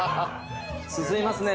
進みますね